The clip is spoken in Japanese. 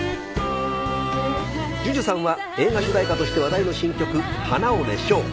ＪＵＪＵさんは映画主題歌として話題の新曲『花』を熱唱。